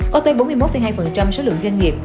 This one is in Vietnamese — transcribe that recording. có tới bốn mươi một hai số lượng doanh nghiệp